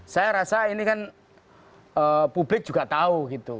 saya rasa ini kan publik juga tahu gitu